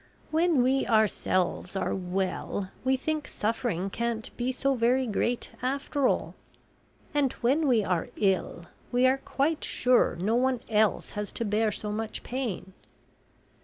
"When we ourselves are well, we think suffering can't be so very great after all, and when we are ill we are quite sure no one else has to bear so much pain.